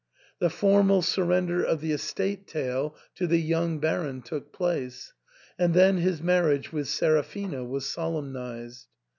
The formal surrender of the estate tail to the young Baron took place, and then his marriage with Seraphina was solemnised.